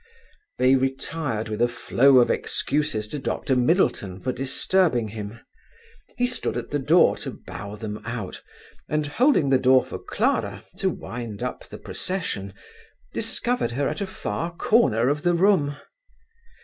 They retired with a flow of excuses to Dr. Middleton for disturbing him. He stood at the door to bow them out, and holding the door for Clara, to wind up the procession, discovered her at a far corner of the room.